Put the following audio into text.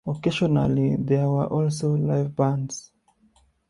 Occasionally there were also live bands.